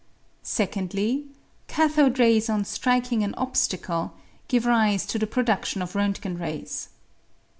Secondly, cathode rays on striking an obstacle give rise to the pro dudlion of Rontgen rays.